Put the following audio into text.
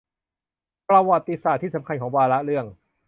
ประวัติศาสตร์ที่สำคัญของวาระเรื่อง